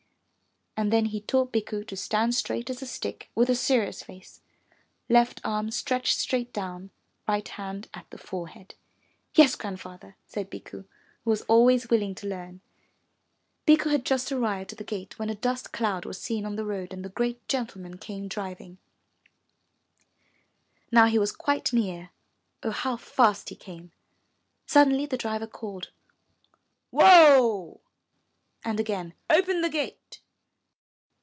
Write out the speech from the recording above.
'' And then he taught Bikku to stand straight as a stick with a serious face, left arm stretched straight down, right hand at the fore head. Yes, Grandfather," said Bikku, who was always willing to learn. Bikku had just arrived at the gate when a dust cloud was seen on the road and the great gentleman came driving. Now he was quite near, oh, how fast he came! Suddenly the driver called, ''Whoa!" and again, ''Open the gate."